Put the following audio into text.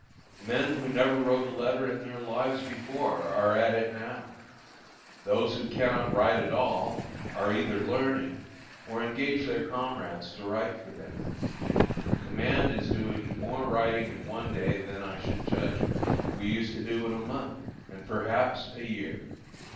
Men who never wrote a letter in their lives before, are at it now; those who cannot write at all, are either learning, or engage their comrades to write for them, and the command is doing more writing in one day than, I should judge, we used to do in a month, and, perhaps, a year.